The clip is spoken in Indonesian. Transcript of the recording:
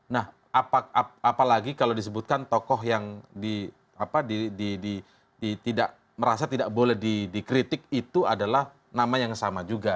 nah apalagi kalau disebutkan tokoh yang merasa tidak boleh dikritik itu adalah nama yang sama juga